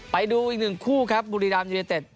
ไปดูอีกหนึ่งคู่ครับบุรีรามยูเนเต็ด